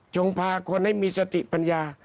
พาคนให้มีสติปัญญา